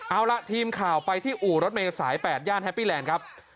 เอาล่ะทีมข่าวไปที่อู่รถเมย์สาย๘ย่านแฮปปี้แลนด์ครับ